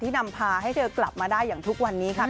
นำพาให้เธอกลับมาได้อย่างทุกวันนี้ค่ะ